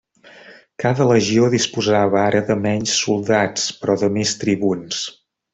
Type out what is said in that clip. Cada legió disposava ara de menys soldats, però de més tribuns.